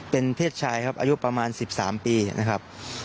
เป็นเพศชายครับอายุประมาณ๑๓ปีนะครับ